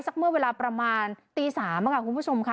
เมื่อเวลาประมาณตี๓ค่ะคุณผู้ชมค่ะ